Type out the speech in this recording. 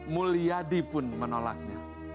mulyadi pun menolaknya